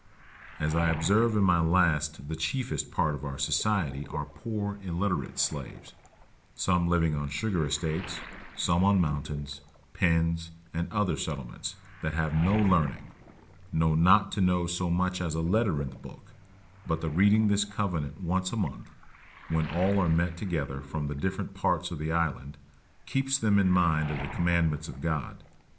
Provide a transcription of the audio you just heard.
As I observe in my last the chiefest part of our society are poor illiterate slaves, some living on sugar estates, some on mountains, pens, and other settlements, that have no learning, no not to know so much as a letter in the book; but the reading this covenant once a month, when all are met together from the different parts of the island, keeps them in mind of the commandments of God.